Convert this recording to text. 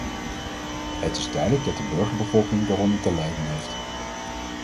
Het is duidelijk dat de burgerbevolking daaronder te lijden heeft.